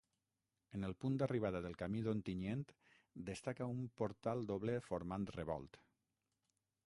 En el punt d'arribada del camí d'Ontinyent destaca un portal doble formant revolt.